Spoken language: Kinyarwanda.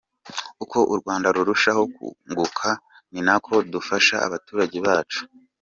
Uko u Rwanda rurushaho kunguka ni nako dufasha abaturage bacu.